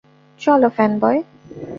চলো, ফ্যানবয়!